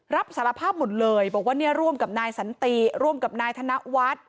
รับสารภาพหมดเลยบอกว่าเนี่ยร่วมกับนายสันติร่วมกับนายธนวัฒน์